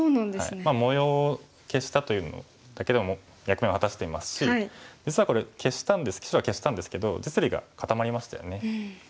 模様を消したというだけでも役目を果たしていますし実はこれ白は消したんですけど実利が固まりましたよね。